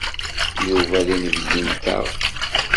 Yuba d inebgi-nteɣ.